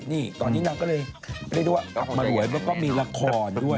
นี่ตอนนี้นางก็เลยไปด้วยออกมาหลวยแล้วก็มีละครด้วย